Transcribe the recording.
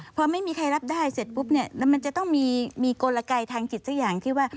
พอไม่มีใครรับได้เสร็จปุ๊บเนี่ยแล้วมันจะต้องมีกลไกทางจิตสักอย่างที่ว่า